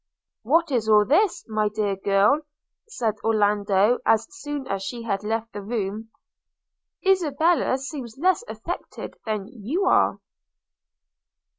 'What is all this, my dear girl?' said Orlando as soon as she had left the room: 'Isabella seems less affected than you are!'